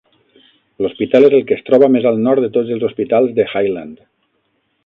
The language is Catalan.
L'hospital és el que es troba més al nord de tots els hospitals de Highland.